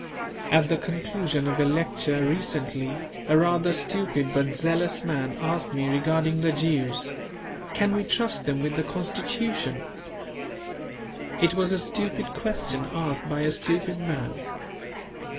At the conclusion of a lecture recently, a rather stupid but zealous man asked me regarding the Jews. "Can we trust them with the Constitution?" It was a stupid question asked by a stupid man.